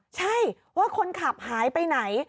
ใช่ว่าคนขับหายไปไหน